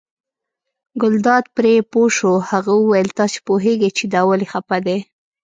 ګلداد پرې پوه شو، هغه وویل تاسې پوهېږئ چې دا ولې خپه دی.